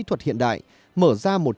cho rất nhiều người đàn ông